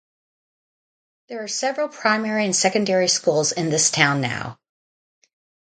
There are several primary and secondary schools in this town now.